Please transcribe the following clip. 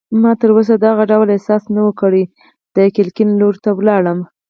ما تراوسه دغه ډول احساس نه و کړی، د کړکۍ لور ته ولاړم.